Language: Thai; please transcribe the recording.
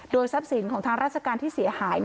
ทรัพย์สินของทางราชการที่เสียหาย